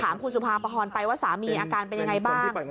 ถามคุณสุภาปฐานไปว่าสามีอาการเป็นอย่างไรบ้าง